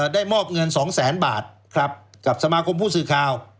ได้มอบเงิน๒แสนบาทครับกับสมาคมผู้สื่อข่าว